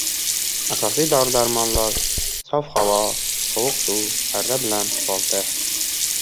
Asosiy dori-darmonlar — sof havo, sovuq suv, arra bilan bolta.